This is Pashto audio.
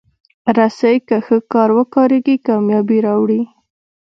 رسۍ که ښه وکارېږي، کامیابي راوړي.